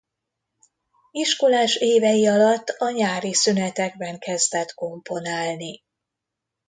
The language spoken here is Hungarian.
Iskolás évei alatt a nyári szünetekben kezdett komponálni.